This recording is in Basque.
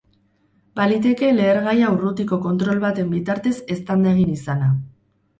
Baliteke lehergaia urrutiko kontrol baten bitartez eztanda egin izana.